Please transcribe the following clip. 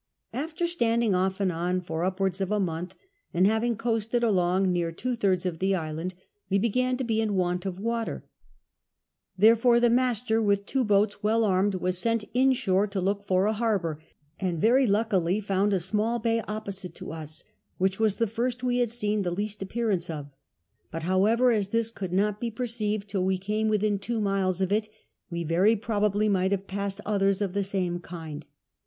After standing off and on for upwards of a month, and having coasted along near two thiids of the island, we begiin to be in want f>f water j therefore the master wdth two boats well armed was sent inshore to look for a harbour, and very luckily found a small bay opposite to us, whicli was the first we hod seen the least appearance of : but however, as this could not be perceived till we came Witliiu two miles of it, we very probably might have passed others of the same kind.